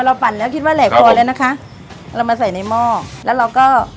ปั่นแล้วคิดว่าแหลกพอแล้วนะคะเรามาใส่ในหม้อแล้วเราก็